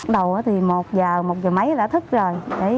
đầu thì một giờ một giờ mấy là thức rồi